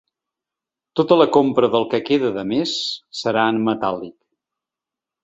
Tota la compra del que queda de mes serà en metàl·lic.